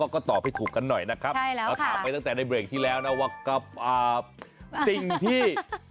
ก็ตอบให้ถูกกันหน่อยนะครับเราถามไปตั้งแต่ในเบรกที่แล้วนะว่ากับสิ่งที่